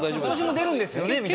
今年も出るんですよね？